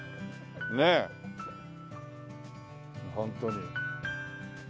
ねえホントに。